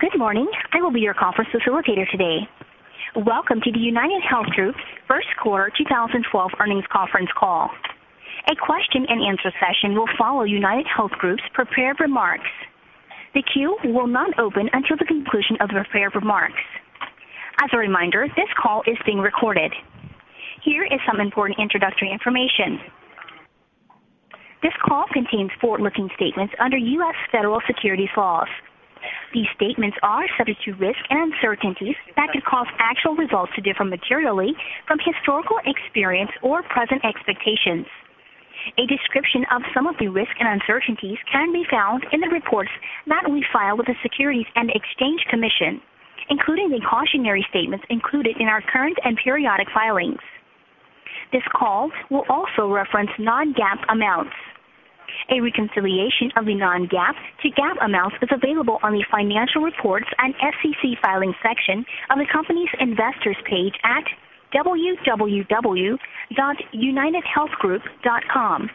Good morning. I will be your conference facilitator today. Welcome to the UnitedHealth Group's First Quarter 2012 Earnings Conference Call. A question-and-answer session will follow UnitedHealth Group's prepared remarks. The queue will not open until the conclusion of the prepared remarks. As a reminder, this call is being recorded. Here is some important introductory information. This call contains forward-looking statements under U.S. Federal Securities Laws. These statements are subject to risks and uncertainties that could cause factual results to differ materially from historical experience or present expectations. A description of some of the risks and uncertainties can be found in the reports that we file with the Securities and Exchange Commission, including the cautionary statements included in our current and periodic filings. This call will also reference non-GAAP amounts. A reconciliation of the non-GAAP to GAAP amounts is available on the financial reports and SEC filing section of the company's investors page at www.unitedhealthgroup.com.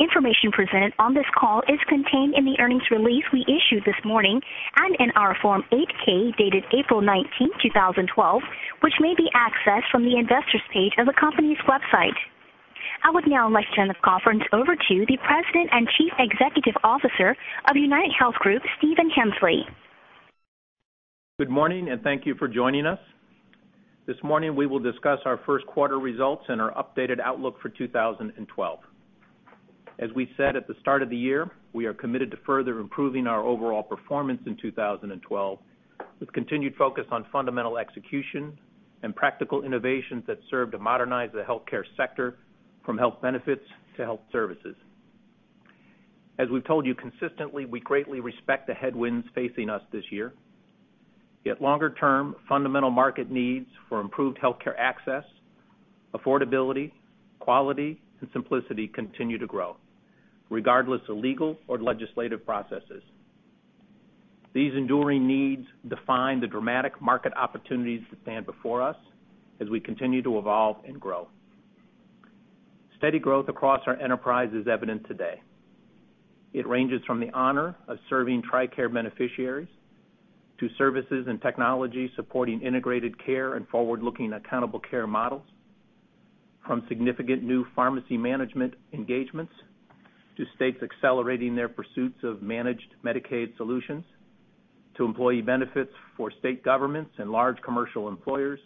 Information presented on this call is contained in the earnings release we issued this morning and in our Form 8-K dated April 19, 2012, which may be accessed from the investors page of the company's website. I would now like to turn the conference over to the President and Chief Executive Officer of UnitedHealth Group, Stephen Hemsley. Good morning and thank you for joining us. This morning we will discuss our first quarter results and our updated outlook for 2012. As we said at the start of the year, we are committed to further improving our overall performance in 2012 with continued focus on fundamental execution and practical innovations that serve to modernize the healthcare sector from health benefits to health services. As we've told you consistently, we greatly respect the headwinds facing us this year. Yet longer-term, fundamental market needs for improved healthcare access, affordability, quality, and simplicity continue to grow, regardless of legal or legislative processes. These enduring needs define the dramatic market opportunities that stand before us as we continue to evolve and grow. Steady growth across our enterprise is evident today. It ranges from the honor of serving TRICARE beneficiaries to services and technology supporting integrated care and forward-looking accountable care models, from significant new pharmacy management engagements to states accelerating their pursuits of managed Medicaid solutions, to employee benefits for state governments and large commercial employers,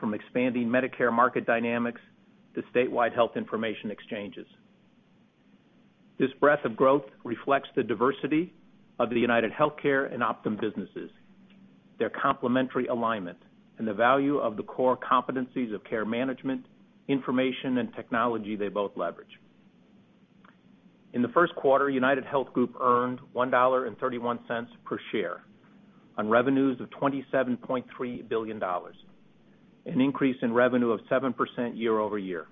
from expanding Medicare market dynamics to statewide health information exchanges. This breadth of growth reflects the diversity of the UnitedHealthcare and Optum businesses, their complementary alignment, and the value of the core competencies of care management, information, and technology they both leverage. In the first quarter, UnitedHealth Group earned $1.31 per share on revenues of $27.3 billion, an increase in revenue of 7% year-over-year.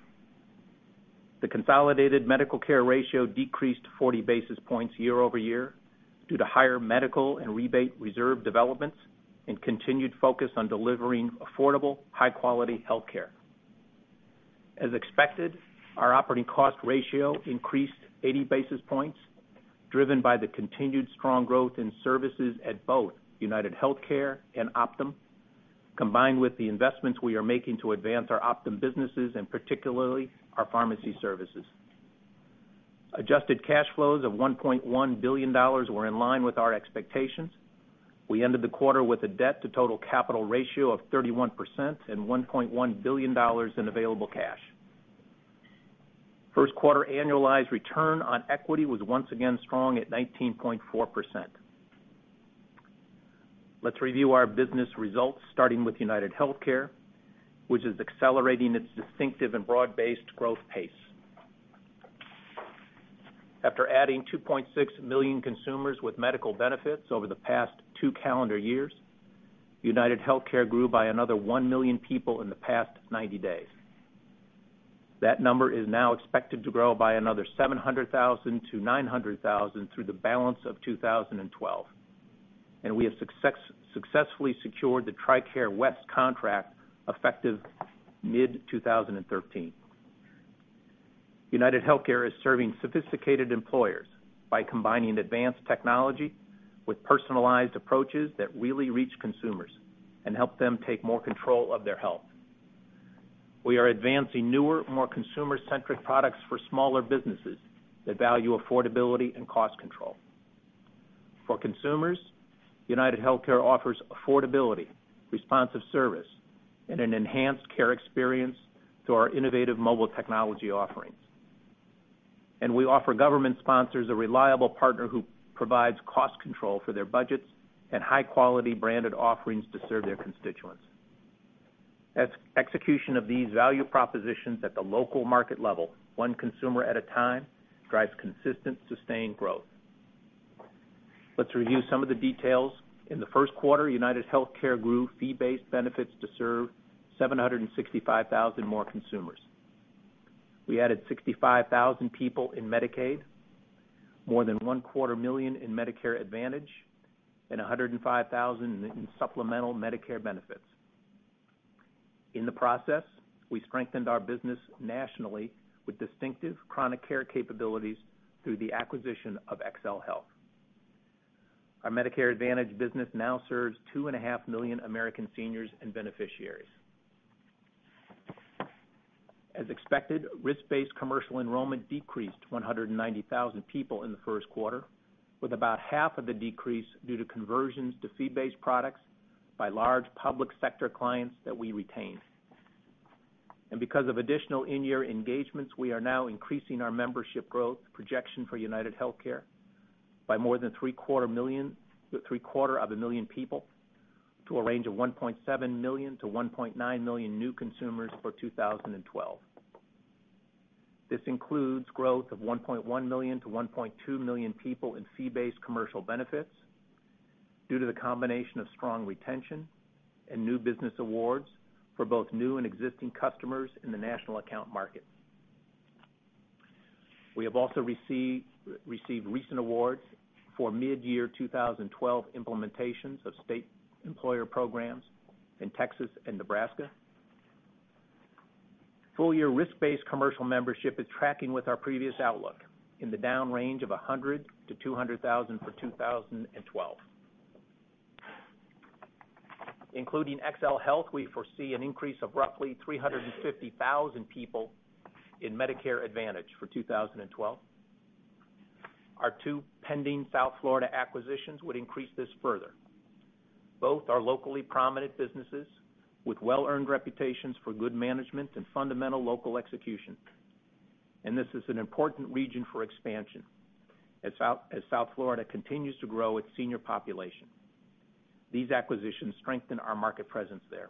The consolidated medical care ratio decreased 40 basis points year-over-year due to higher medical and rebate reserve developments and continued focus on delivering affordable, high-quality healthcare. As expected, our operating cost ratio increased 80 basis points, driven by the continued strong growth in services at both UnitedHealthcare and Optum, combined with the investments we are making to advance our Optum businesses and particularly our pharmacy services. Adjusted cash flows of $1.1 billion were in line with our expectations. We ended the quarter with a debt-to-total capital ratio of 31% and $1.1 billion in available cash. First quarter annualized return on equity was once again strong at 19.4%. Let's review our business results, starting with UnitedHealthcare, which is accelerating its distinctive and broad-based growth pace. After adding 2.6 million consumers with medical benefits over the past two calendar years, UnitedHealthcare grew by another 1 million people in the past 90 days. That number is now expected to grow by another 700,000-900,000 through the balance of 2012, and we have successfully secured the TRICARE WICS contract effective mid-2013. UnitedHealthcare is serving sophisticated employers by combining advanced technology with personalized approaches that really reach consumers and help them take more control of their health. We are advancing newer, more consumer-centric products for smaller businesses that value affordability and cost control. For consumers, UnitedHealthcare offers affordability, responsive service, and an enhanced care experience through our innovative mobile technology offerings. We offer government sponsors a reliable partner who provides cost control for their budgets and high-quality branded offerings to serve their constituents. Execution of these value propositions at the local market level, one consumer at a time, drives consistent, sustained growth. Let's review some of the details. In the first quarter, UnitedHealthcare grew fee-based benefits to serve 765,000 more consumers. We added 65,000 people in Medicaid, more than 250,000 in Medicare Advantage, and 105,000 in supplemental Medicare benefits. In the process, we strengthened our business nationally with distinctive chronic care capabilities through the acquisition of XL Health. Our Medicare Advantage business now serves 2.5 million American seniors and beneficiaries. As expected, risk-based commercial enrollment decreased 190,000 people in the first quarter, with about 1/2 of the decrease due to conversions to fee-based products by large public sector clients that we retain. Because of additional in-year engagements, we are now increasing our membership growth projection for UnitedHealthcare by more than 750,000-750,000 people, to a range of 1.7 million-1.9 million new consumers for 2012. This includes growth of 1.1 million-1.2 million people in fee-based commercial benefits due to the combination of strong retention and new business awards for both new and existing customers in the national account market. We have also received recent awards for mid-year 2012 implementations of state employer programs in Texas and Nebraska. Full-year risk-based commercial membership is tracking with our previous outlook in the down range of 100,000-200,000 for 2012. Including XL Health, we foresee an increase of roughly 350,000 people in Medicare Advantage for 2012. Our two pending South Florida acquisitions would increase this further. Both are locally prominent businesses with well-earned reputations for good management and fundamental local execution, and this is an important region for expansion as South Florida continues to grow its senior population. These acquisitions strengthen our market presence there.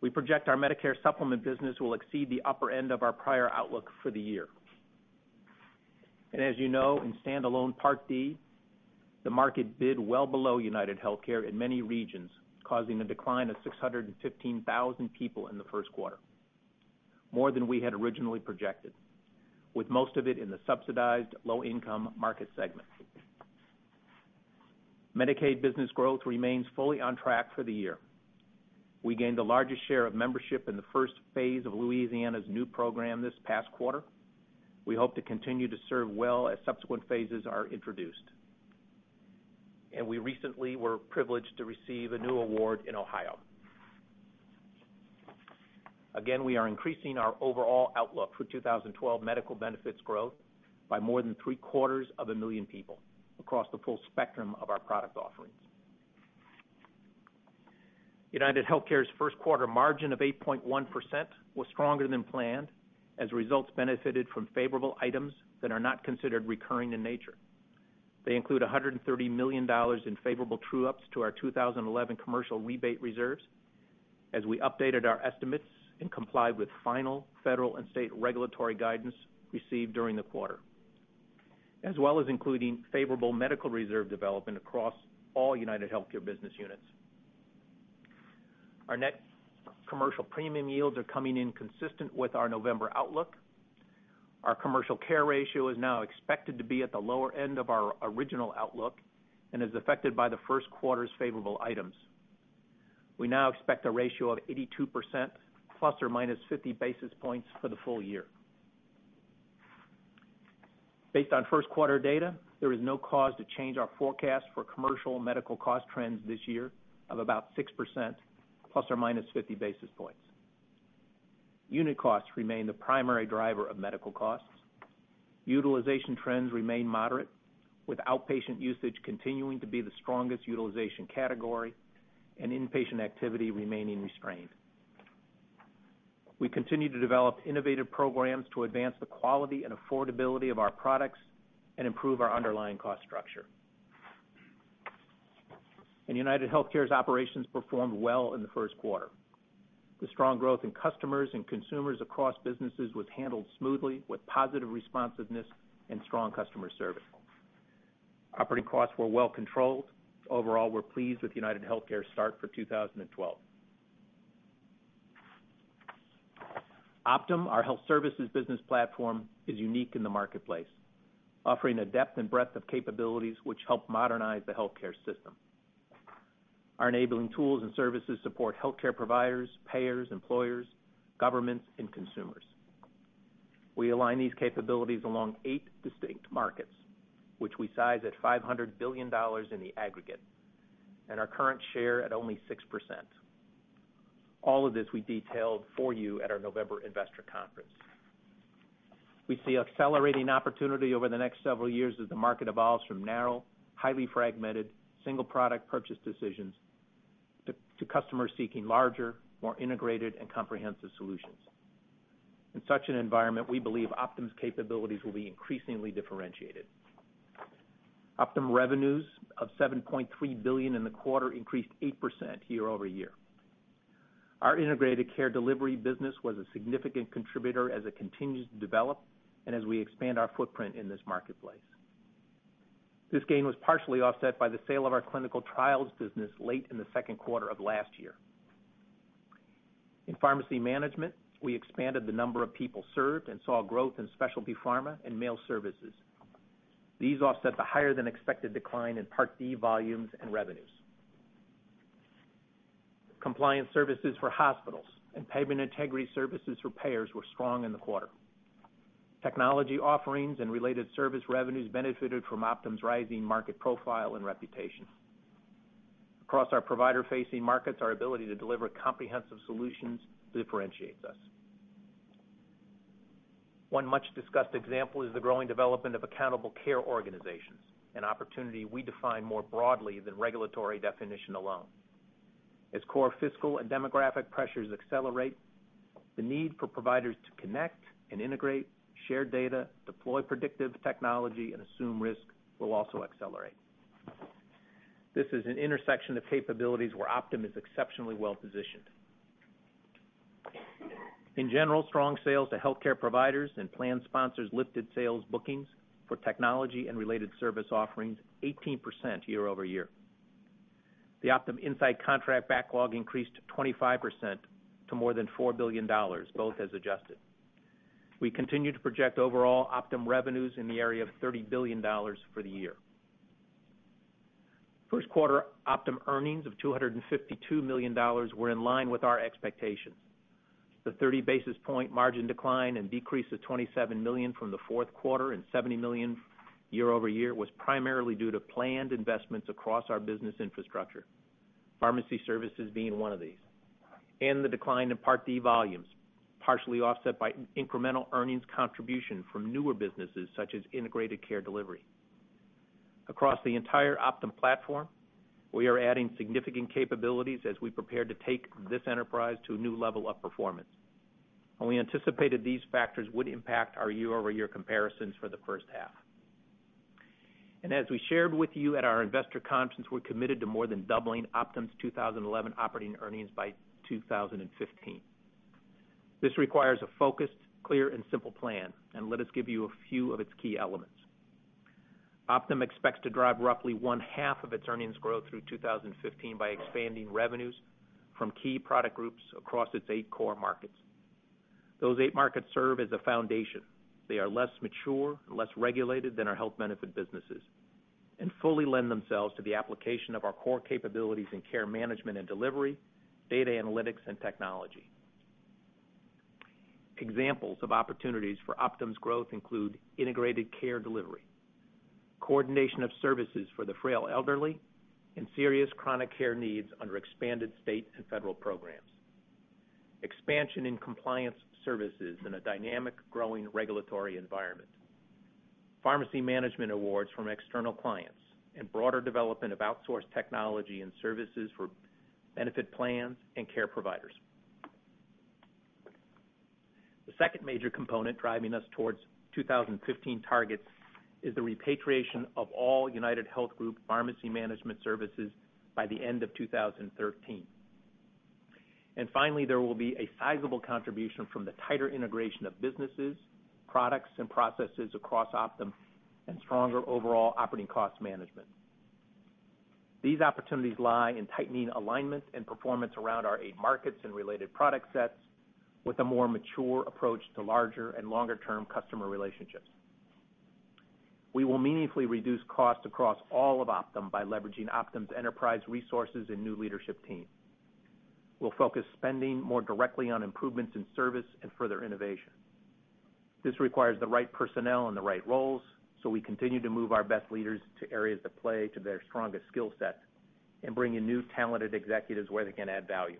We project our Medicare supplement business will exceed the upper end of our prior outlook for the year. As you know, in standalone Part D, the market bid well below UnitedHealthcare in many regions, causing a decline of 615,000 people in the first quarter, more than we had originally projected, with most of it in the subsidized low-income market segment. Medicaid business growth remains fully on track for the year. We gained the largest share of membership in the first phase of Louisiana's new program this past quarter. We hope to continue to serve well as subsequent phases are introduced. We recently were privileged to receive a new award in Ohio. We are increasing our overall outlook for 2012 medical benefits growth by more than 3/4 of a 1 million people across the full spectrum of our product offerings. UnitedHealthcare's first quarter margin of 8.1% was stronger than planned as results benefited from favorable items that are not considered recurring in nature. They include $130 million in favorable true-ups to our 2011 commercial rebate reserves as we updated our estimates and complied with final federal and state regulatory guidance received during the quarter, as well as including favorable medical reserve development across all UnitedHealthcare business units. Our net commercial premium yields are coming in consistent with our November outlook. Our commercial care ratio is now expected to be at the lower end of our original outlook and is affected by the first quarter's favorable items. We now expect a ratio of 82%± 50 basis points for the full-year. Based on first quarter data, there is no cause to change our forecast for commercial medical cost trends this year of about 6%± 50 basis points. Unit costs remain the primary driver of medical costs. Utilization trends remain moderate, with outpatient usage continuing to be the strongest utilization category and inpatient activity remaining restrained. We continue to develop innovative programs to advance the quality and affordability of our products and improve our underlying cost structure. UnitedHealthcare's operations performed well in the first quarter. The strong growth in customers and consumers across businesses was handled smoothly with positive responsiveness and strong customer service. Operating costs were well controlled. Overall, we're pleased with UnitedHealthcare's start for 2012. Optum, our health services business platform, is unique in the marketplace, offering a depth and breadth of capabilities which help modernize the healthcare system. Our enabling tools and services support healthcare providers, payers, employers, governments, and consumers. We align these capabilities along eight distinct markets, which we size at $500 billion in the aggregate, and our current share at only 6%. All of this we detailed for you at our November Investor Conference. We see accelerating opportunity over the next several years as the market evolves from narrow, highly fragmented single product purchase decisions to customers seeking larger, more integrated and comprehensive solutions. In such an environment, we believe Optum's capabilities will be increasingly differentiated. Optum revenues of $7.3 billion in the quarter increased 8% year-over-year. Our integrated care delivery business was a significant contributor as it continues to develop and as we expand our footprint in this marketplace. This gain was partially offset by the sale of our clinical trials business late in the second quarter of last year. In pharmacy management, we expanded the number of people served and saw growth in specialty Pharma and Mail services. These offset the higher-than-expected decline in Part D volumes and revenues. Compliance services for hospitals and payment integrity services for payers were strong in the quarter. Technology offerings and related service revenues benefited from Optum's rising market profile and reputation. Across our provider-facing markets, our ability to deliver comprehensive solutions differentiates us. One much-discussed example is the growing development of accountable care organizations, an opportunity we define more broadly than regulatory definition alone. As core fiscal and demographic pressures accelerate, the need for providers to connect and integrate, share data, deploy predictive technology, and assume risk will also accelerate. This is an intersection of capabilities where Optum is exceptionally well positioned. In general, strong sales to healthcare providers and plan sponsors lifted sales bookings for technology and related service offerings 18% year-over-year. The Optum Insight contract backlog increased 25% to more than $4 billion, both as adjusted. We continue to project overall Optum revenues in the area of $30 billion for the year. First quarter Optum earnings of $252 million were in line with our expectations. The 30 basis point margin decline and decrease of $27 million from the fourth quarter and $70 million year-over-year was primarily due to planned investments across our business infrastructure, pharmacy services being one of these, and the decline in Part D volumes, partially offset by incremental earnings contribution from newer businesses such as integrated care delivery. Across the entire Optum platform, we are adding significant capabilities as we prepare to take this enterprise to a new level of performance. We anticipated these factors would impact our year-over-year comparisons for the first half. As we shared with you at our Investor Conference, we're committed to more than doubling Optum's 2011 operating earnings by 2015. This requires a focused, clear, and simple plan. Let us give you a few of its key elements. Optum expects to drive roughly 1/2 of its earnings growth through 2015 by expanding revenues from key product groups across its eight core markets. Those eight markets serve as a foundation. They are less mature and less regulated than our health benefit businesses and fully lend themselves to the application of our core capabilities in care management and delivery, data analytics, and technology. Examples of opportunities for Optum's growth include integrated care delivery, coordination of services for the frail elderly, and serious chronic care needs under expanded state and federal programs, expansion in compliance services in a dynamic growing regulatory environment, pharmacy management awards from external clients, and broader development of outsourced technology and services for benefit plans and care providers. The second major component driving us towards 2015 targets is the repatriation of all UnitedHealth Group pharmacy management services by the end of 2013. Finally, there will be a sizable contribution from the tighter integration of businesses, products, and processes across Optum and stronger overall operating cost management. These opportunities lie in tightening alignment and performance around our eight markets and related product sets with a more mature approach to larger and longer-term customer relationships. We will meaningfully reduce costs across all of Optum by leveraging Optum's enterprise resources and new leadership team. We'll focus spending more directly on improvements in service and further innovation. This requires the right personnel and the right roles, so we continue to move our best leaders to areas that play to their strongest skill set and bring in new talented executives where they can add value.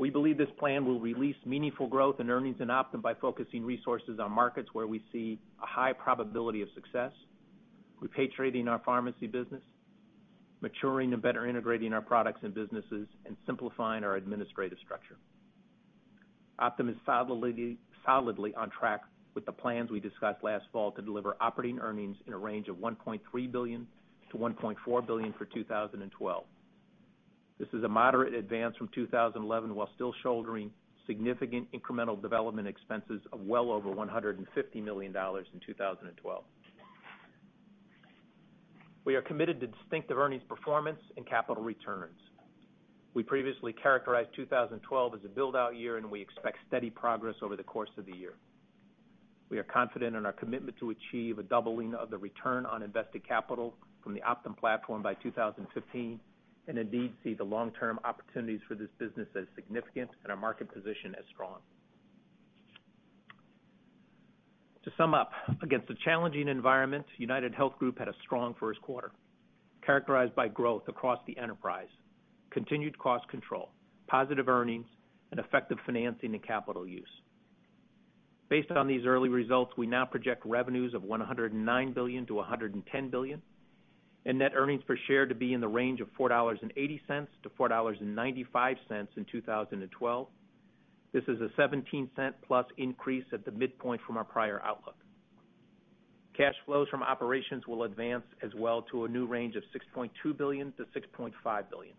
We believe this plan will release meaningful growth in earnings in Optum by focusing resources on markets where we see a high probability of success, repatriating our pharmacy business, maturing and better integrating our products and businesses, and simplifying our administrative structure. Optum is solidly on track with the plans we discussed last fall to deliver operating earnings in a range of $1.3 billion-$1.4 billion for 2012. This is a moderate advance from 2011 while still shouldering significant incremental development expenses of well over $150 million in 2012. We are committed to distinctive earnings performance and capital returns. We previously characterized 2012 as a build-out year, and we expect steady progress over the course of the year. We are confident in our commitment to achieve a doubling of the return on invested capital from the Optum platform by 2015 and indeed see the long-term opportunities for this business as significant and our market position as strong. To sum up, against a challenging environment, UnitedHealth Group had a strong first quarter characterized by growth across the enterprise, continued cost control, positive earnings, and effective financing and capital use. Based on these early results, we now project revenues of $109 billion-$110 billion and net earnings per share to be in the range of $4.80-$4.95 in 2012. This is a $0.17+ increase at the midpoint from our prior outlook. Cash flows from operations will advance as well to a new range of $6.2 billion-$6.5 billion.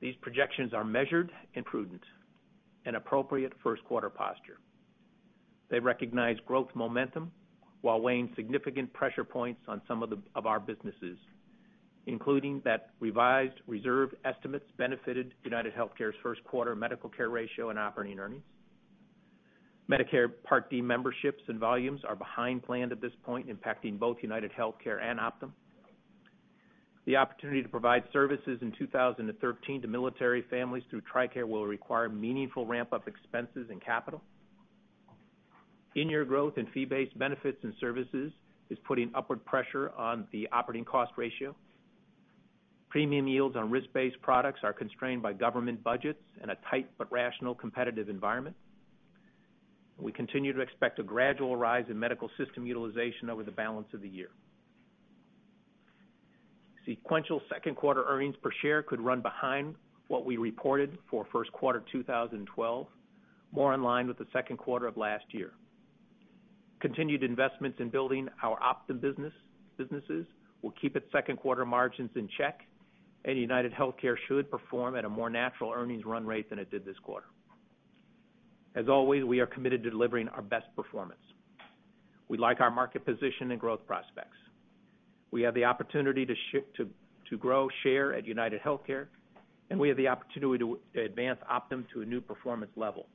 These projections are measured and prudent, an appropriate first quarter posture. They recognize growth momentum while weighing significant pressure points on some of our businesses, including that revised reserved estimates benefited UnitedHealthcare's first quarter medical care ratio and operating earnings. Medicare Part D memberships and volumes are behind planned at this point, impacting both UnitedHealthcare and Optum. The opportunity to provide services in 2013 to military families through TRICARE will require meaningful ramp-up expenses and capital. In-year growth in fee-based benefits and services is putting upward pressure on the operating cost ratio. Premium yields on risk-based products are constrained by government budgets and a tight but rational competitive environment. We continue to expect a gradual rise in medical system utilization over the balance of the year. Sequential second quarter earnings per share could run behind what we reported for first quarter 2012, more in line with the second quarter of last year. Continued investments in building our Optum businesses will keep its second quarter margins in check, and UnitedHealthcare should perform at a more natural earnings run rate than it did this quarter. As always, we are committed to delivering our best performance. We like our market position and growth prospects. We have the opportunity to grow share at UnitedHealthcare, and we have the opportunity to advance Optum to a new performance level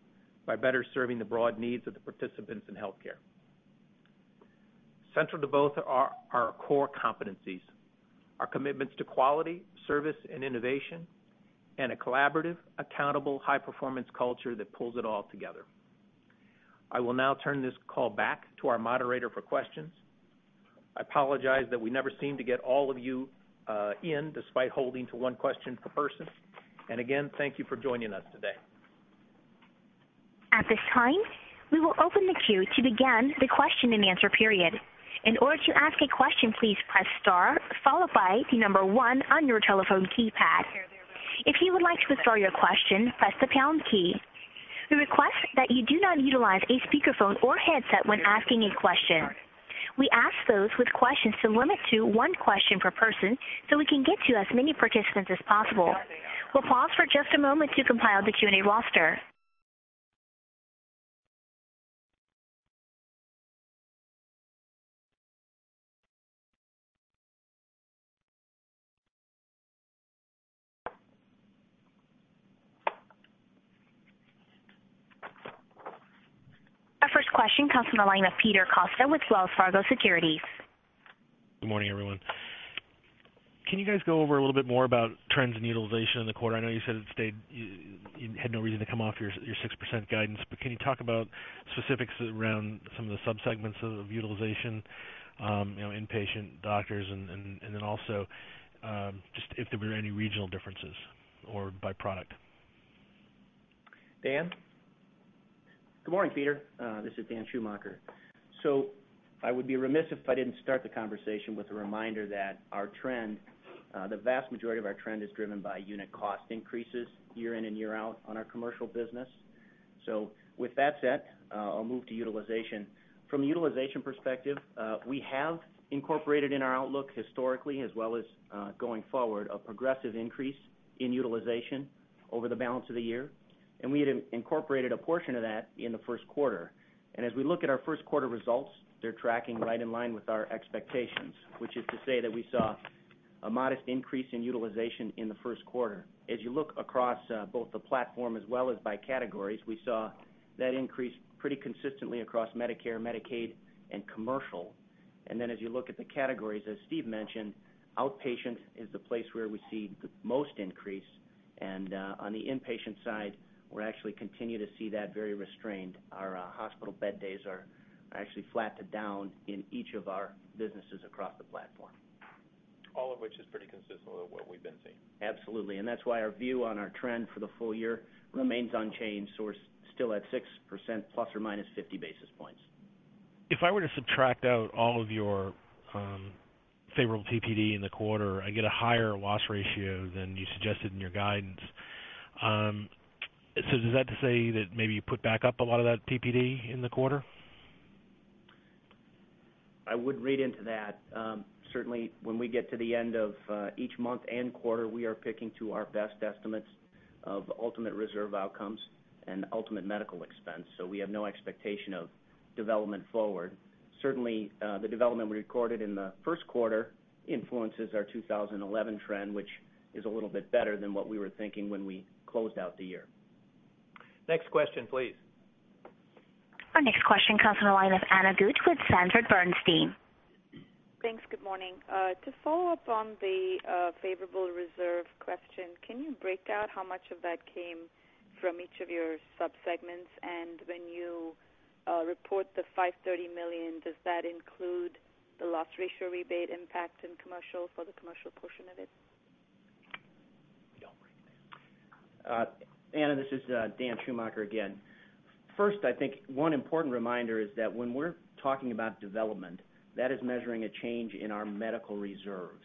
by better serving the broad needs of the participants in healthcare. Central to both are our core competencies, our commitments to quality, service, and innovation, and a collaborative, accountable, high-performance culture that pulls it all together. I will now turn this call back to our moderator for questions. I apologize that we never seem to get all of you in despite holding to one question per person. Again, thank you for joining us today. At this time, we will open the queue to begin the question-and-answer period. In order to ask a question, please press star followed by the number one on your telephone keypad. If you would like to withdraw your question, press the pound key. We request that you do not utilize a speakerphone or headset when asking a question. We ask those with questions to limit to one question per person so we can get to as many participants as possible. We'll pause for just a moment to compile the Q&A roster. Our first question comes from the line of Peter Costa with Wells Fargo Securities. Good morning, everyone. Can you guys go over a little bit more about trends in utilization in the quarter? I know you said it stayed, you had no reason to come off your 6% guidance, but can you talk about specifics around some of the subsegments of utilization, you know, inpatient, doctors, and then also just if there were any regional differences or by product? Dan? Good morning, Peter. This is Dan Schumacher. I would be remiss if I didn't start the conversation with a reminder that our trend, the vast majority of our trend, is driven by unit cost increases year-in and year-out on our commercial business. With that said, I'll move to utilization. From the utilization perspective, we have incorporated in our outlook historically, as well as going forward, a progressive increase in utilization over the balance of the year. We had incorporated a portion of that in the first quarter. As we look at our first quarter results, they're tracking right in line with our expectations, which is to say that we saw a modest increase in utilization in the first quarter. As you look across both the platform as well as by categories, we saw that increase pretty consistently across Medicare, Medicaid, and Commercial. As you look at the categories, as Steve mentioned, outpatient is the place where we see the most increase. On the inpatient side, we actually continue to see that very restrained. Our hospital bed days are actually flat to down in each of our businesses across the platform. All of which is pretty consistent with what we've been seeing? Absolutely. That is why our view on our trend for the full year remains unchanged, so we're still at 6%± 50 basis points. If I were to subtract out all of your favorable TPD in the quarter, I get a higher loss ratio than you suggested in your guidance. Does that say that maybe you put back up a lot of that TPD in the quarter? I would read into that. Certainly, when we get to the end of each month and quarter, we are picking to our best estimates of ultimate reserve outcomes and ultimate medical expense. We have no expectation of development forward. Certainly, the development we recorded in the first quarter influences our 2011 trend, which is a little bit better than what we were thinking when we closed out the year. Next question, please. Our next question comes from the line of Ana Gupte with Sanford Bernstein. Thanks. Good morning. To follow up on the favorable reserve question, can you break out how much of that came from each of your subsegments? When you report the $530 million, does that include the loss ratio rebate impact in commercial for the commercial portion of it? We don't break that. Ana, this is Dan Schumacher again. First, I think one important reminder is that when we're talking about development, that is measuring a change in our medical reserves,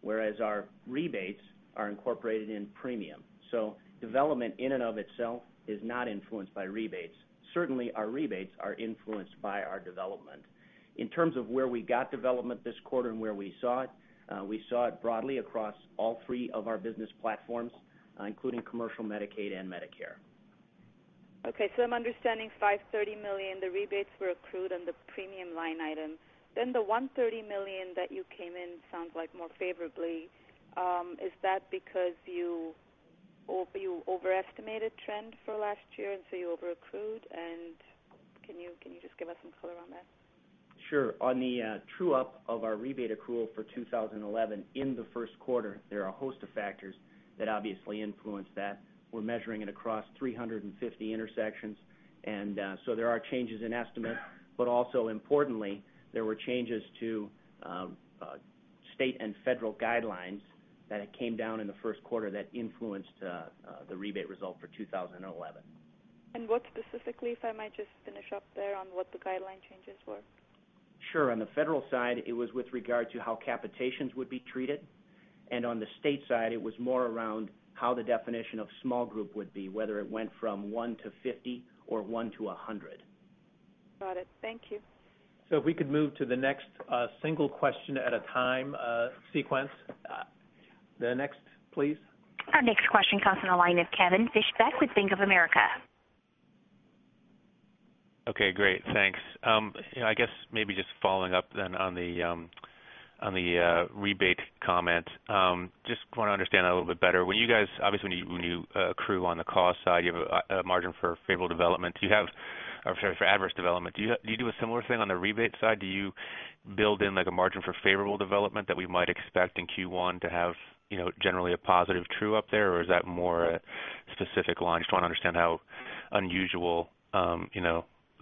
whereas our rebates are incorporated in premium. Development in and of itself is not influenced by rebates. Certainly, our rebates are influenced by our development. In terms of where we got development this quarter and where we saw it, we saw it broadly across all three of our business platforms, including commercial, Medicaid, and Medicare. OK. I'm understanding $530 million, the rebates were accrued on the premium line item. The $130 million that you came in sounds like more favorably. Is that because you overestimated trend for last year and so you overaccrued? Can you just give us some color on that? Sure. On the true-up of our rebate accrual for 2011 in the first quarter, there are a host of factors that obviously influence that. We're measuring it across 350 intersections, so there are changes in estimate. Also, importantly, there were changes to state and federal guidelines that came down in the first quarter that influenced the rebate result for 2011. What specifically, if I might just finish up there, were the guideline changes? Sure. On the federal side, it was with regard to how capitations would be treated. On the state side, it was more around how the definition of small group would be, whether it went from one to 50 or 1 to 100. Got it. Thank you. If we could move to the next single question at a time sequence. The next, please. Our next question comes from the line of Kevin Fischbach with Bank of America. OK, great. Thanks. I guess maybe just following up then on the rebate comment. Just want to understand that a little bit better. When you guys, obviously, when you accrue on the cost side, you have a margin for favorable development. Do you have, or sorry, for adverse development? Do you do a similar thing on the rebate side? Do you build in like a margin for favorable development that we might expect in Q1 to have generally a positive true-up there? Or is that more a specific line? I just want to understand how unusual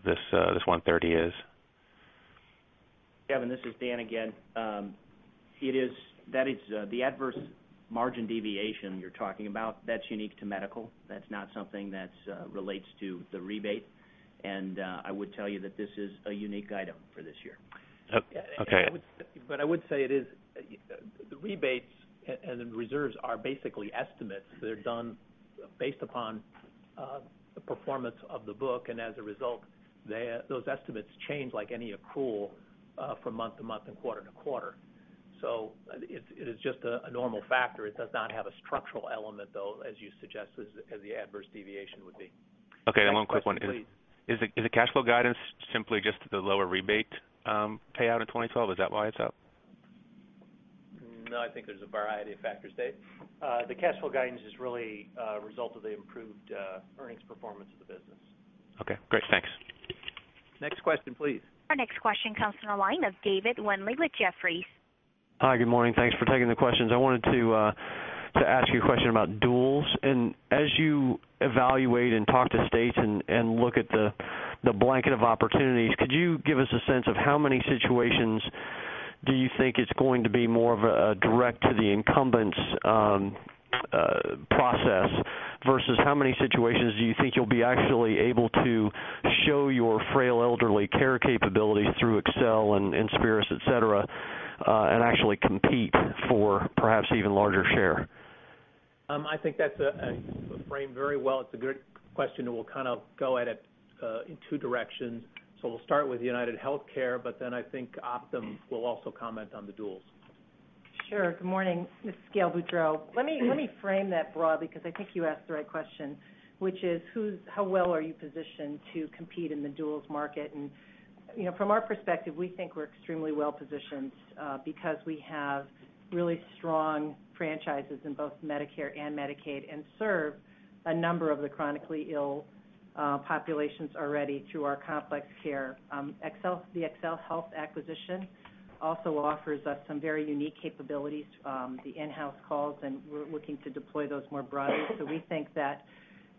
this $130 is. Kevin, this is Dan again. That is the adverse margin deviation you're talking about. That's unique to medical. That's not something that relates to the rebate. I would tell you that this is a unique item for this year. OK. I would say it is the rebates and the reserves are basically estimates. They're done based upon the performance of the book. As a result, those estimates change like any accrual from month-to-month and quarter-to-quarter. It is just a normal factor. It does not have a structural element, though, as you suggested, as the adverse deviation would be. OK, and one quick one. Is the cash flow guidance simply just the lower rebate payout in 2012? Is that why it's up? No, I think there's a variety of factors, Dave. The cash flow guidance is really a result of the improved earnings performance of the business. OK, great. Thanks. Next question, please. Our next question comes from the line of David Windley with Jefferies. Hi, good morning. Thanks for taking the questions. I wanted to ask you a question about duals. As you evaluate and talk to states and look at the blanket of opportunities, could you give us a sense of how many situations you think it's going to be more of a direct to the incumbents process versus how many situations you think you'll be actually able to show your frail elderly care capability through XL and, et cetera, and actually compete for perhaps even larger share? I think that's framed very well. It's a good question. We'll kind of go at it in two directions. We'll start with UnitedHealthcare, but I think Optum will also comment on the duels. Sure. Good morning. This is Gail Boudreaux. Let me frame that broadly because I think you asked the right question, which is how well are you positioned to compete in the duals market? From our perspective, we think we're extremely well positioned because we have really strong franchises in both Medicare and Medicaid and serve a number of the chronically ill populations already through our complex care. The XL Health acquisition also offers up some very unique capabilities, the in-house calls, and we're looking to deploy those more broadly. We think that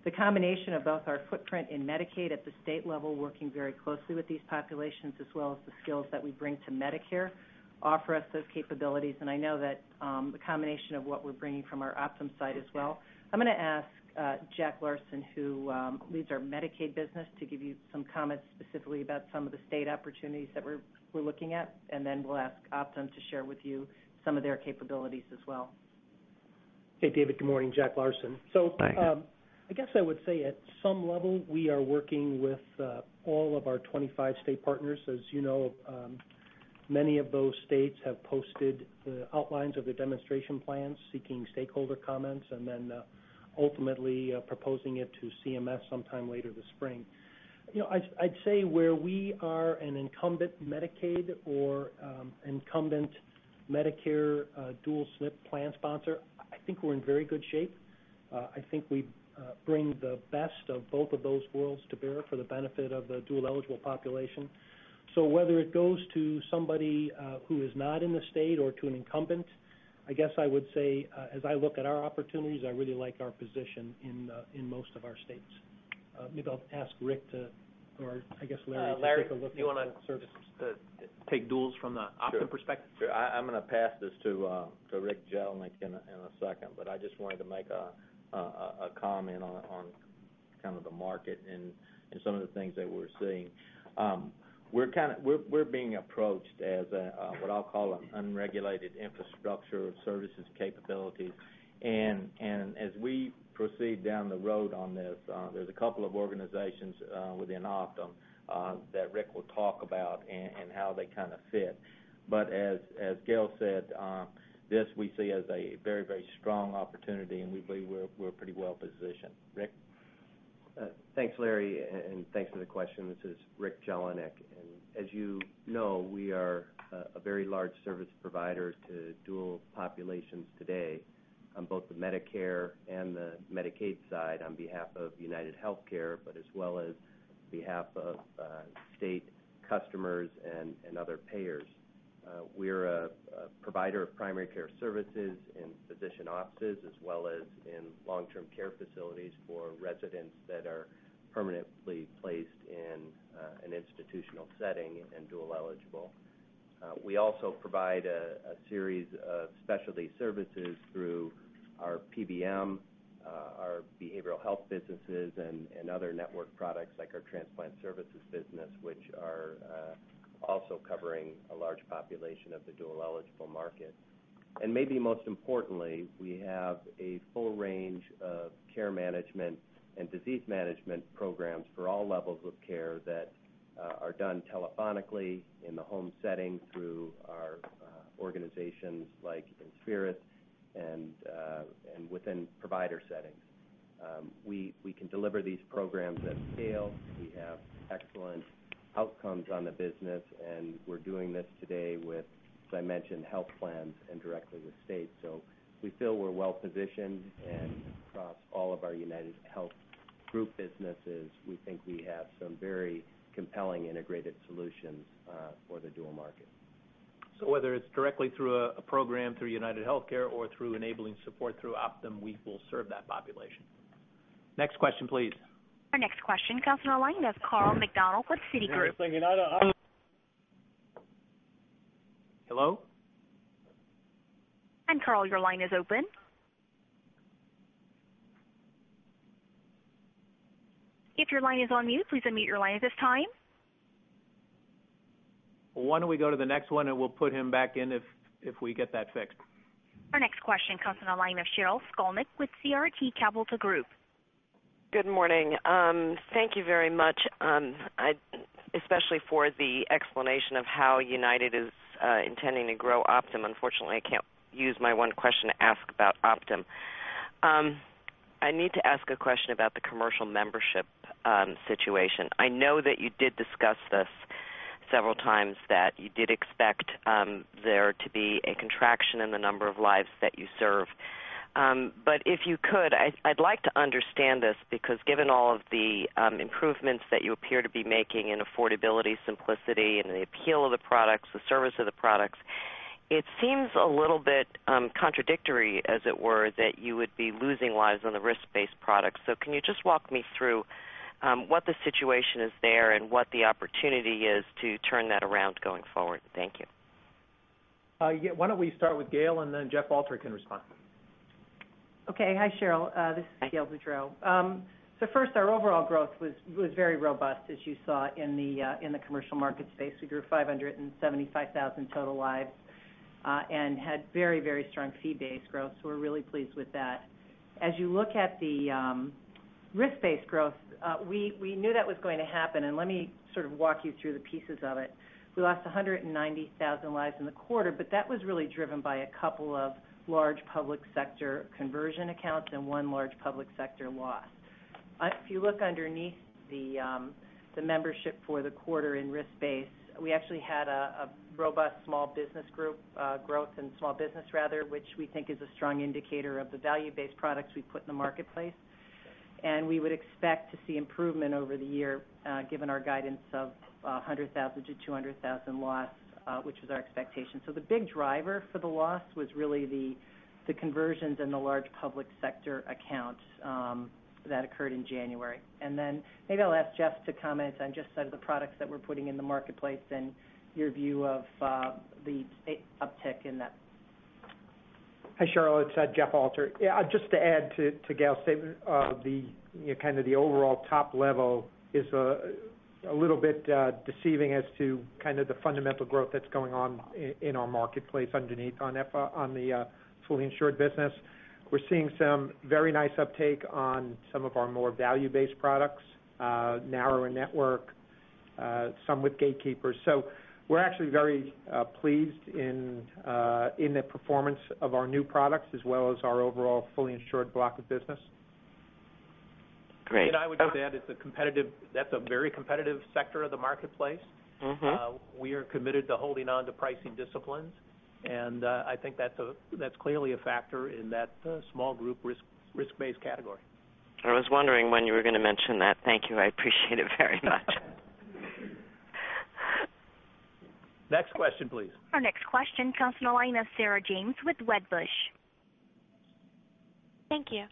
the combination of both our footprint in Medicaid at the state level, working very closely with these populations, as well as the skills that we bring to Medicare, offer us those capabilities. I know that the combination of what we're bringing from our Optum side as well. I'm going to ask Jack Larsen, who leads our Medicaid business, to give you some comments specifically about some of the state opportunities that we're looking at. We'll ask Optum to share with you some of their capabilities as well. Hey, David. Good morning, Jack Larsen. Hi. I guess I would say at some level, we are working with all of our 25 state partners. As you know, many of those states have posted the outlines of the demonstration plans, seeking stakeholder comments, and then ultimately proposing it to CMS sometime later this spring. I'd say where we are an incumbent Medicaid or incumbent Medicare dual SNP plan sponsor, I think we're in very good shape. I think we bring the best of both of those worlds to bear for the benefit of the dual eligible population. Whether it goes to somebody who is not in the state or to an incumbent, I would say as I look at our opportunities, I really like our position in most of our states. Maybe I'll ask Rick to, or I guess Larry. Larry, do you want to take duals from the Optum perspective? Sure. I'm going to pass this to Rick Jelinek in a second. I just wanted to make a comment on the market and some of the things that we're seeing. We're being approached as what I'll call an unregulated infrastructure of services capabilities. As we proceed down the road on this, there are a couple of organizations within Optum that Rick will talk about and how they fit. As Gail said, this we see as a very, very strong opportunity. We believe we're pretty well positioned. Rick? Thanks, Larry. Thanks for the question. This is Rick Jelinek. As you know, we are a very large service provider to dual populations today on both the Medicare and the Medicaid side on behalf of UnitedHealthcare, as well as on behalf of state customers and other payers. We're a provider of primary care services in physician offices, as well as in long-term care facilities for residents that are permanently placed in an institutional setting and dual eligible. We also provide a series of specialty services through our PBM, our behavioral health businesses, and other network products like our transplant services business, which are also covering a large population of the dual eligible market. Most importantly, we have a full range of care management and disease management programs for all levels of care that are done telephonically in the home setting through our organizations like INSPIRIS and within provider settings. We can deliver these programs at scale. We have excellent outcomes on the business. We're doing this today with, as I mentioned, health plans and directly with states. We feel we're well positioned. Across all of our UnitedHealth Group businesses, we think we have some very compelling integrated solutions for the dual market. Whether it's directly through a program through UnitedHealthcare or through enabling support through Optum, we will serve that population. Next question, please. Our next question comes from the line of Carl McDonald with Citigroup. Hello? Carl, your line is open. If your line is on mute, please unmute your line at this time. Why don't we go to the next one? We'll put him back in if we get that fixed. Our next question comes from the line of Sheryl Skolnick with CRT Capital Group. Good morning. Thank you very much, especially for the explanation of how United is intending to grow Optum. Unfortunately, I can't use my one question to ask about Optum. I need to ask a question about the commercial membership situation. I know that you did discuss this several times, that you did expect there to be a contraction in the number of lives that you serve. If you could, I'd like to understand this because given all of the improvements that you appear to be making in affordability, simplicity, and the appeal of the products, the service of the products, it seems a little bit contradictory, as it were, that you would be losing lives on the risk-based products. Can you just walk me through what the situation is there and what the opportunity is to turn that around going forward? Thank you. Yeah, why don't we start with Gail? Then Jeff Alter can respond. OK. Hi, Sheryl. This is Gail Boudreaux. First, our overall growth was very robust, as you saw, in the commercial market space. We grew 575,000 total lives and had very, very strong fee-based growth. We're really pleased with that. As you look at the risk-based growth, we knew that was going to happen. Let me sort of walk you through the pieces of it. We lost 190,000 lives in the quarter. That was really driven by a couple of large public sector conversion accounts and one large public sector loss. If you look underneath the membership for the quarter in risk-based, we actually had a robust small business group growth and small business, rather, which we think is a strong indicator of the value-based products we put in the marketplace. We would expect to see improvement over the year, given our guidance of 100,000-200,000 loss, which was our expectation. The big driver for the loss was really the conversions in the large public sector accounts that occurred in January. Maybe I'll ask Jeff to comment on just some of the products that we're putting in the marketplace and your view of the uptick in that. Hi, Sheryl. It's Jeff Alter. Just to add to Gail's statement, the overall top level is a little bit deceiving as to the fundamental growth that's going on in our marketplace underneath on the fully insured business. We're seeing some very nice uptake on some of our more value-based products, narrower network, some with gatekeepers. We're actually very pleased in the performance of our new products, as well as our overall fully insured block of business. Great. I would just add, that's a very competitive sector of the marketplace. We are committed to holding on to pricing disciplines, and I think that's clearly a factor in that small group risk-based category. I was wondering when you were going to mention that. Thank you. I appreciate it very much. Next question, please. Our next question comes from the line of Sarah James with Wedbush. Thank you.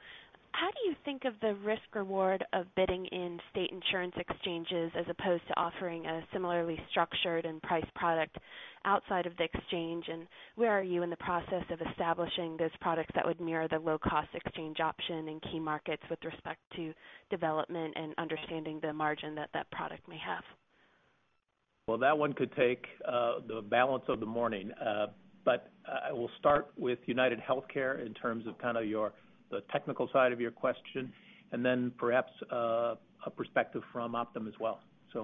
How do you think of the risk reward of bidding in state insurance exchanges as opposed to offering a similarly structured and priced product outside of the exchange? Where are you in the process of establishing those products that would mirror the low-cost exchange option in key markets with respect to development and understanding the margin that that product may have? That one could take the balance of the morning. I will start with UnitedHealthcare in terms of kind of the technical side of your question and then perhaps a perspective from Optum as well. I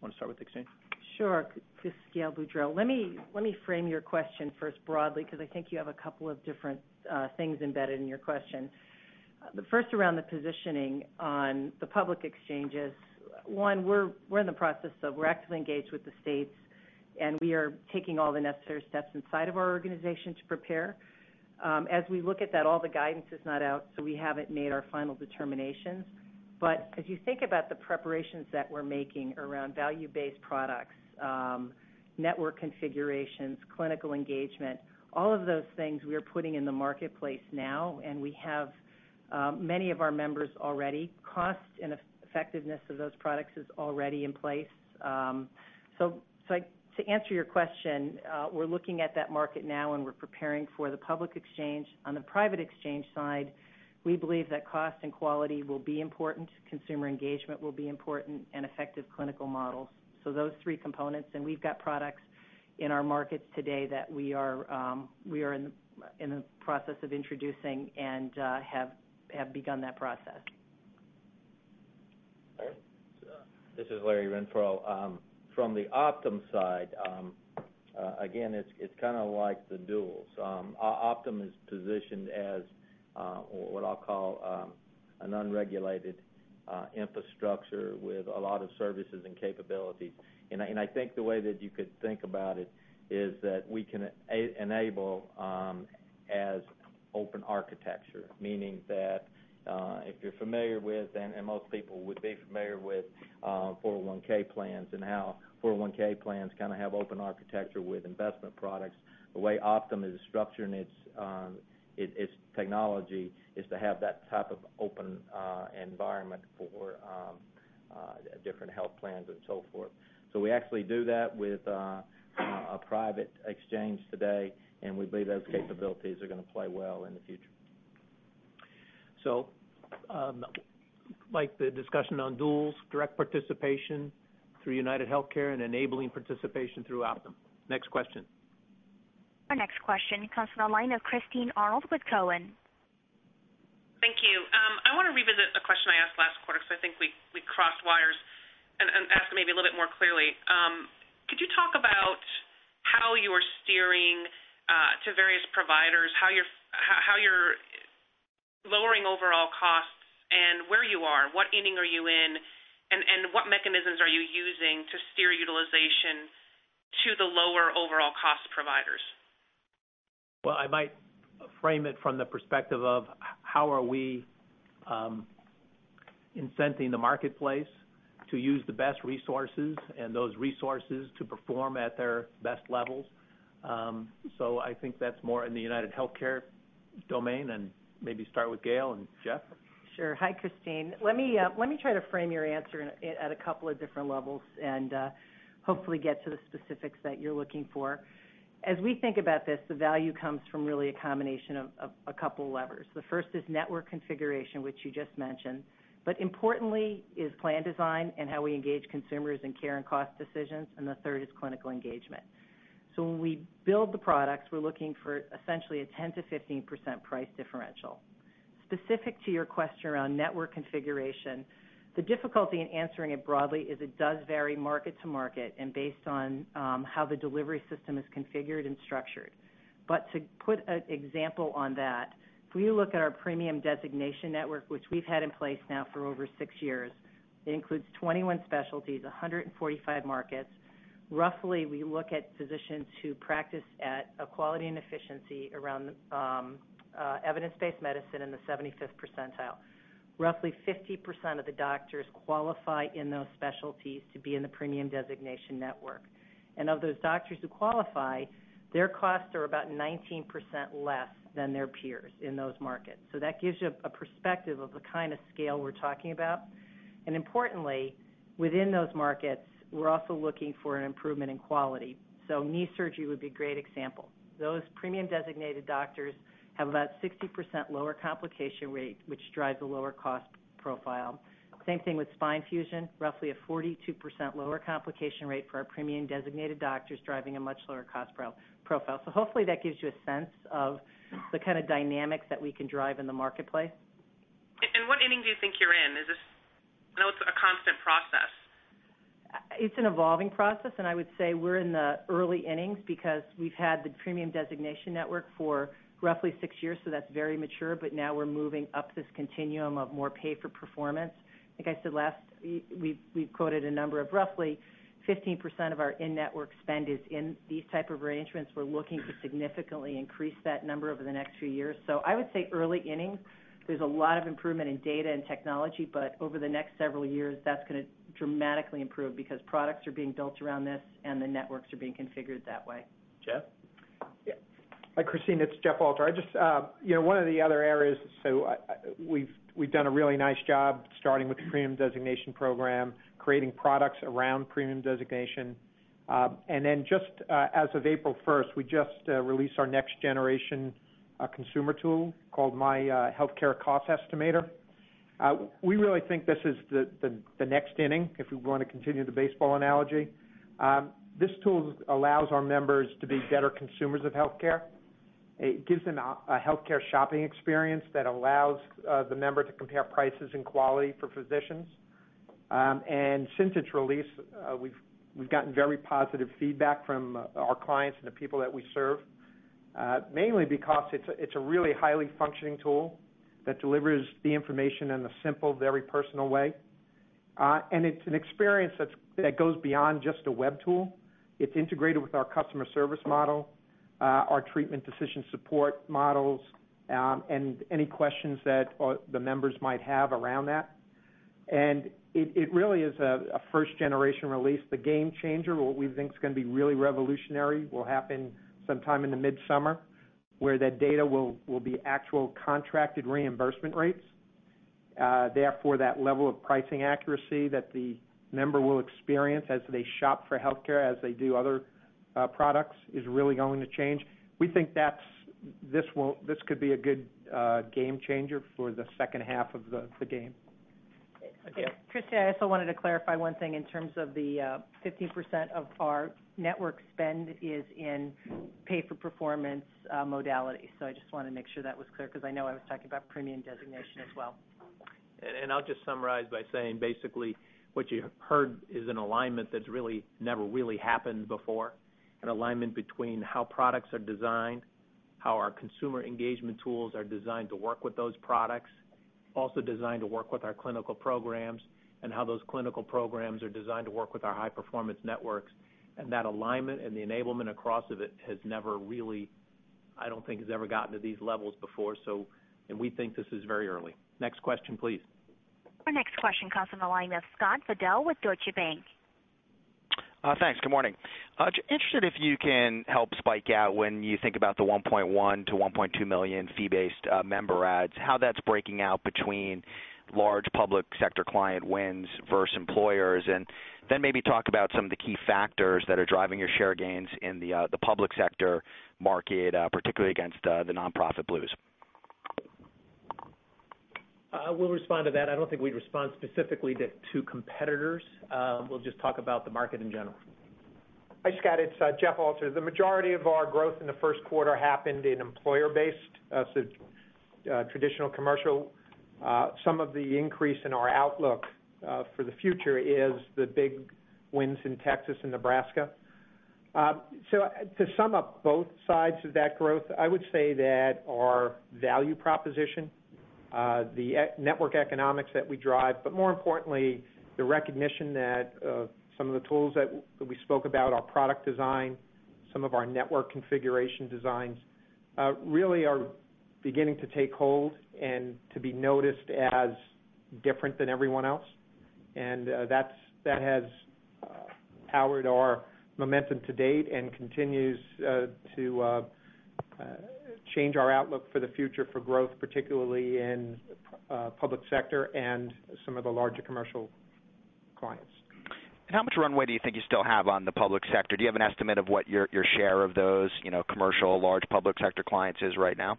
want to start with the exchange. Sure. Let me frame your question first broadly because I think you have a couple of different things embedded in your question. The first around the positioning on the public exchanges. We're in the process of actively engaged with the states, and we are taking all the necessary steps inside of our organization to prepare. As we look at that, all the guidance is not out. We haven't made our final determinations. As you think about the preparations that we're making around value-based products, network configurations, clinical engagement, all of those things we are putting in the marketplace now. We have many of our members already. Cost and effectiveness of those products is already in place. To answer your question, we're looking at that market now, and we're preparing for the public exchange. On the private exchange side, we believe that cost and quality will be important. Consumer engagement will be important and effective clinical models. Those three components. We've got products in our markets today that we are in the process of introducing and have begun that process. This is Larry Renfro. From the Optum side, again, it's kind of like the duals. Optum is positioned as what I'll call an unregulated infrastructure with a lot of services and capabilities. I think the way that you could think about it is that we can enable as open architecture, meaning that if you're familiar with and most people would be familiar with 401(k) plans and how 401(k) plans kind of have open architecture with investment products, the way Optum is structured in its technology is to have that type of open environment for different health plans and so forth. We actually do that with a private exchange today. We believe those capabilities are going to play well in the future. Like the discussion on duals, direct participation through UnitedHealthcare, and enabling participation through Optum. Next question. Our next question comes from the line of Christine Arnold with Cowen. Thank you. I want to revisit a question I asked last quarter because I think we crossed wires and asked maybe a little bit more clearly. Could you talk about how you are steering to various providers, how you're lowering overall costs, and where you are, what inning are you in, and what mechanisms are you using to steer utilization to the lower overall cost providers? I might frame it from the perspective of how are we incenting the marketplace to use the best resources and those resources to perform at their best levels. I think that's more in the UnitedHealthcare domain. Maybe start with Gail and Jeff. Sure. Hi, Christine. Let me try to frame your answer at a couple of different levels and hopefully get to the specifics that you're looking for. As we think about this, the value comes from really a combination of a couple of levers. The first is network configuration, which you just mentioned. Importantly, plan design and how we engage consumers in care and cost decisions are also key. The third is clinical engagement. When we build the products, we're looking for essentially a 10%-15% price differential. Specific to your question around network configuration, the difficulty in answering it broadly is it does vary market-to-market and based on how the delivery system is configured and structured. To put an example on that, if we look at our premium designation network, which we've had in place now for over six years, it includes 21 specialties and 145 markets. Roughly, we look at physicians who practice at a quality and efficiency around evidence-based medicine in the 75th percentile. Roughly 50% of the doctors qualify in those specialties to be in the premium designation network. Of those doctors who qualify, their costs are about 19% less than their peers in those markets. That gives you a perspective of the kind of scale we're talking about. Importantly, within those markets, we're also looking for an improvement in quality. Knee surgery would be a great example. Those premium designated doctors have about a 60% lower complication rate, which drives a lower cost profile. The same thing with spine fusion, roughly a 42% lower complication rate for our premium designated doctors, driving a much lower cost profile. Hopefully, that gives you a sense of the kind of dynamics that we can drive in the marketplace. What inning do you think you're in? I know it's a constant process. It's an evolving process. I would say we're in the early innings because we've had the premium designation network for roughly six years. That's very mature, but now we're moving up this continuum of more pay for performance. Like I said last, we've quoted a number of roughly 15% of our in-network spend is in these types of arrangements. We're looking to significantly increase that number over the next few years. I would say early innings. There's a lot of improvement in data and technology. Over the next several years, that's going to dramatically improve because products are being built around this and the networks are being configured that way. Jeff? Hi, Christine. It's Jeff Alter. One of the other areas, we've done a really nice job starting with the premium designation program, creating products around premium designation. As of April 1st, we just released our next generation consumer tool called myHealthcare Cost Estimator. We really think this is the next inning, if we want to continue the baseball analogy. This tool allows our members to be better consumers of health care. It gives them a health care shopping experience that allows the member to compare prices and quality for physicians. Since its release, we've gotten very positive feedback from our clients and the people that we serve, mainly because it's a really highly functioning tool that delivers the information in a simple, very personal way. It's an experience that goes beyond just a web tool. It's integrated with our customer service model, our treatment decision support models, and any questions that the members might have around that. It really is a first-generation release. The game changer, what we think is going to be really revolutionary, will happen sometime in the midsummer, where that data will be actual contracted reimbursement rates. Therefore, that level of pricing accuracy that the member will experience as they shop for health care, as they do other products, is really going to change. We think this could be a good game changer for the second half of the game. Christine, I also wanted to clarify one thing in terms of the 15% of our network spend is in pay for performance modality. I just wanted to make sure that was clear because I know I was talking about premium designation as well. I'll just summarize by saying basically what you heard is an alignment that's really never really happened before, an alignment between how products are designed, how our consumer engagement tools are designed to work with those products, also designed to work with our clinical programs, and how those clinical programs are designed to work with our high-performance networks. That alignment and the enablement across of it has never really, I don't think, has ever gotten to these levels before. We think this is very early. Next question, please. Our next question comes from the line of Scott Fidel with Deutsche Bank. Thanks. Good morning. Interested if you can help spike out when you think about the $1.1 million-$1.2 million fee-based member ads, how that's breaking out between large public sector client wins versus employers. Maybe talk about some of the key factors that are driving your share gains in the public sector market, particularly against the nonprofit blues. I will respond to that. I don't think we'd respond specifically to competitors. We'll just talk about the market in general. Hi, Scott. It's Jeff Alter. The majority of our growth in the first quarter happened in employer-based, so traditional commercial. Some of the increase in our outlook for the future is the big wins in Texas and Nebraska. To sum up both sides of that growth, I would say that our value proposition, the network economics that we drive, but more importantly, the recognition that some of the tools that we spoke about, our product design, some of our network configuration designs really are beginning to take hold and to be noticed as different than everyone else. That has powered our momentum to date and continues to change our outlook for the future for growth, particularly in the public sector and some of the larger commercial clients. How much runway do you think you still have on the public sector? Do you have an estimate of what your share of those commercial, large public sector clients is right now?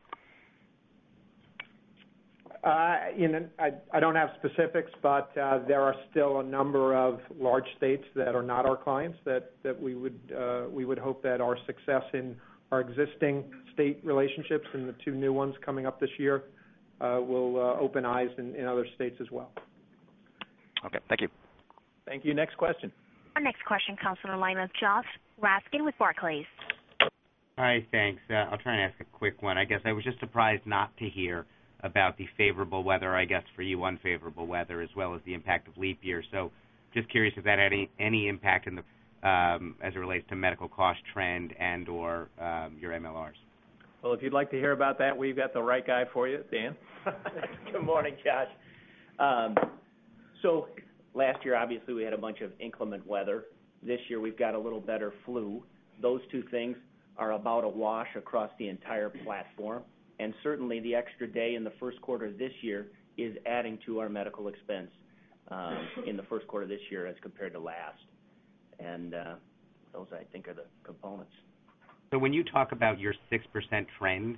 I don't have specifics. There are still a number of large states that are not our clients that we would hope that our success in our existing state relationships and the two new ones coming up this year will open eyes in other states as well. OK, thank you. Thank you. Next question. Our next question comes from the line of Josh Raskin with Barclays. Hi. Thanks. I'll try and ask a quick one. I guess I was just surprised not to hear about the favorable weather, I guess, for you, unfavorable weather, as well as the impact of leap year. Just curious if that had any impact as it relates to medical cost trend and/or your MLRs. If you'd like to hear about that, we've got the right guy for you, Dan. Good morning, Josh. Last year, obviously, we had a bunch of inclement weather. This year, we've got a little better flu. Those two things are about a wash across the entire platform. Certainly, the extra day in the first quarter of this year is adding to our medical expense in the first quarter of this year as compared to last. I think those are the components. When you talk about your 6% trend,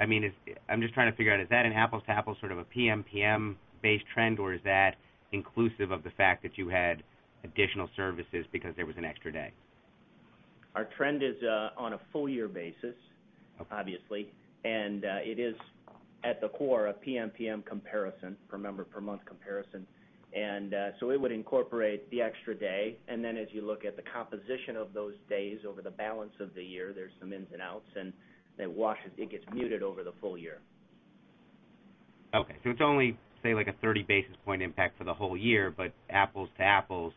I'm just trying to figure out, is that an apples to apples sort of a PM/PM-based trend? Or is that inclusive of the fact that you had additional services because there was an extra day? Our trend is on a full-year basis, obviously. It is at the core of PM/PM comparison, per member per month comparison, so it would incorporate the extra day. As you look at the composition of those days over the balance of the year, there's some ins and outs, and it gets muted over the full year. OK. It's only, say, like a 30 basis point impact for the whole year. Apples-to-apples,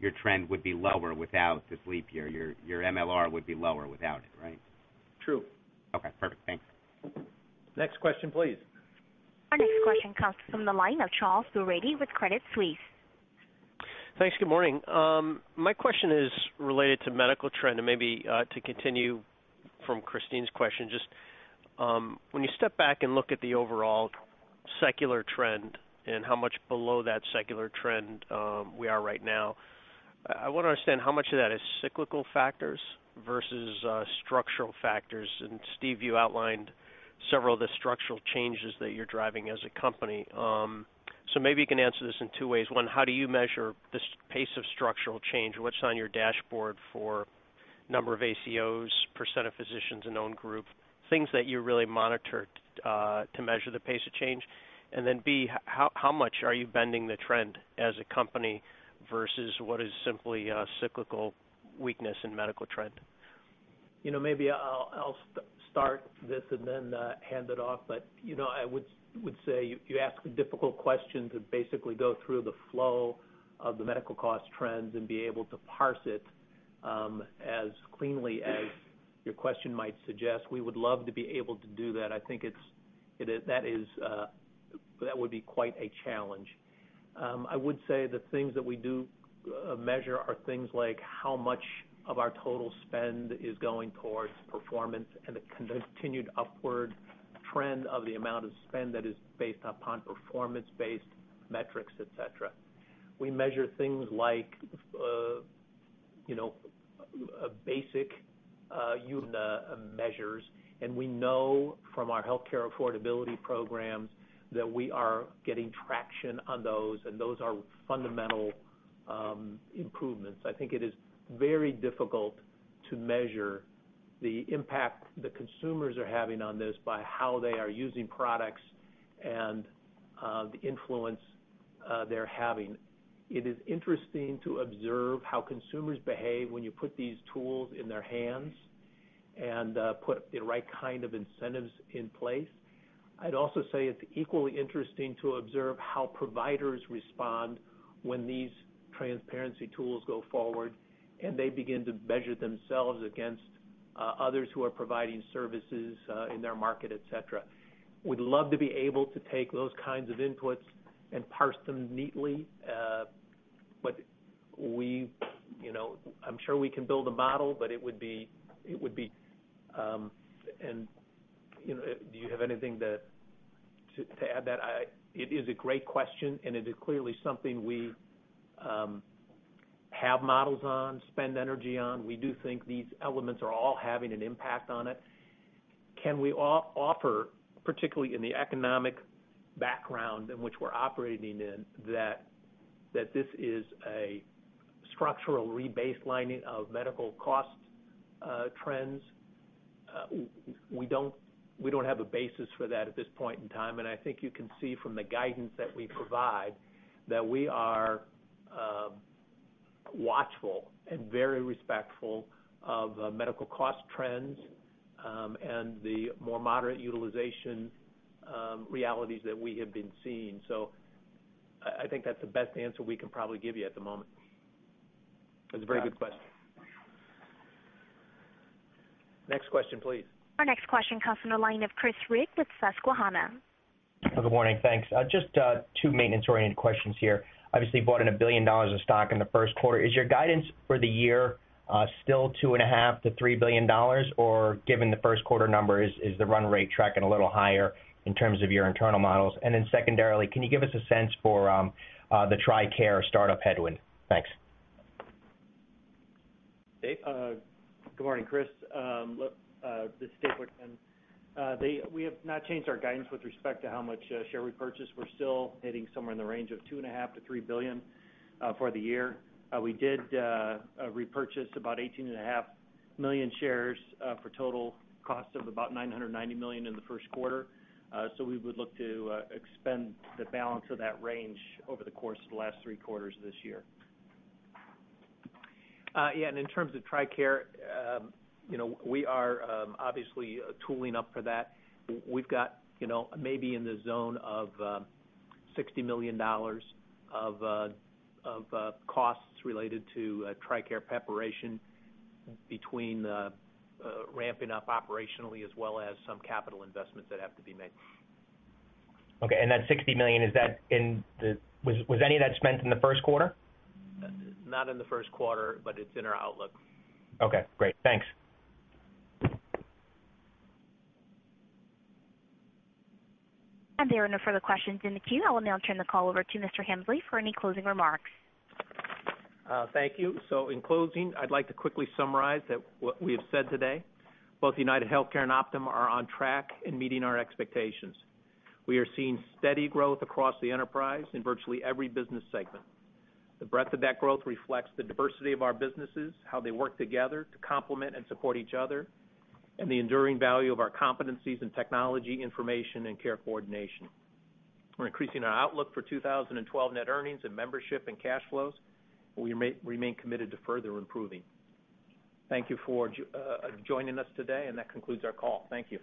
your trend would be lower without this leap year. Your MLR would be lower without it, right? True. OK. Perfect. Thanks. Next question, please. Our next question comes from the line of Charles Boorady with Credit Suisse. Thanks. Good morning. My question is related to medical trend. Maybe to continue from Christine's question, just when you step back and look at the overall secular trend and how much below that secular trend we are right now, I want to understand how much of that is cyclical factors versus structural factors. Steve, you outlined several of the structural changes that you're driving as a company. Maybe you can answer this in two ways. One, how do you measure this pace of structural change? What's on your dashboard for the number of accountable care organizations, percent of physicians, and owned group, things that you really monitor to measure the pace of change? Then, how much are you bending the trend as a company versus what is simply a cyclical weakness in medical trend? Maybe I'll start this and then hand it off. I would say you ask a difficult question to basically go through the flow of the medical cost trends and be able to parse it as cleanly as your question might suggest. We would love to be able to do that. I think that would be quite a challenge. I would say the things that we do measure are things like how much of our total spend is going towards performance and the continued upward trend of the amount of spend that is based upon performance-based metrics, etc. We measure things like basic utilization measures. We know from our health care affordability programs that we are getting traction on those, and those are fundamental improvements. I think it is very difficult to measure the impact the consumers are having on this by how they are using products and the influence they're having. It is interesting to observe how consumers behave when you put these tools in their hands and put the right kind of incentives in place. I'd also say it's equally interesting to observe how providers respond when these transparency tools go forward and they begin to measure themselves against others who are providing services in their market, etc. We'd love to be able to take those kinds of inputs and parse them neatly. I'm sure we can build a model, but it would be—and do you have anything to add to that? It is a great question, and it is clearly something we have models on, spend energy on. We do think these elements are all having an impact on it. Can we offer, particularly in the economic background in which we're operating, that this is a structural rebaselining of medical cost trends? We don't have a basis for that at this point in time. I think you can see from the guidance that we provide that we are watchful and very respectful of medical cost trends and the more moderate utilization realities that we have been seeing. I think that's the best answer we can probably give you at the moment. It's a very good question. Next question, please. Our next question comes from the line of Chris Rigg with Susquehanna. Good morning. Thanks. Just two maintenance-oriented questions here. Obviously, you bought in $1 billion of stock in the first quarter. Is your guidance for the year still $2.5 billion-$3 billion? Given the first quarter numbers, is the run rate tracking a little higher in terms of your internal models? Secondarily, can you give us a sense for the TRICARE startup headwind? Thanks. Good morning, Chris. This is Dave Wichmann. We have not changed our guidance with respect to how much share we purchase. We're still hitting somewhere in the range of $2.5 billion-$3 billion for the year. We did repurchase about 18.5 million shares for a total cost of about $990 million in the first quarter. We would look to expand the balance of that range over the course of the last three quarters of this year. In terms of TRICARE, we are obviously tooling up for that. We've got maybe in the zone of $60 million of costs related to TRICARE preparation between ramping up operationally as well as some capital investments that have to be made. OK. That $60 million, was any of that spent in the first quarter? Not in the first quarter, but it's in our outlook. OK. Great. Thanks. There are no further questions in the queue. I will now turn the call over to Mr. Hemsley for any closing remarks. Thank you. In closing, I'd like to quickly summarize what we have said today. Both UnitedHealthcare and Optum are on track and meeting our expectations. We are seeing steady growth across the enterprise in virtually every business segment. The breadth of that growth reflects the diversity of our businesses, how they work together to complement and support each other, and the enduring value of our competencies in technology, information, and care coordination. We're increasing our outlook for 2012 net earnings and membership and cash flows. We remain committed to further improving. Thank you for joining us today. That concludes our call. Thank you.